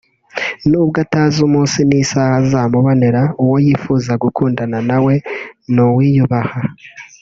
nubwo atazi umunsi n’isaha azamubonera uwo yifuza gukundana na we ni uwiyubaha